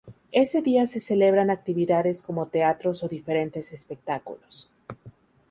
Ese día se celebran actividades como teatros o diferentes espectáculos.